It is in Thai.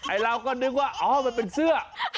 เราก็นึกว่าอ๋อมันเป็นเสื้อ